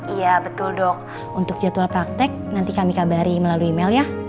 iya betul dok untuk jadwal praktek nanti kami kabari melalui email ya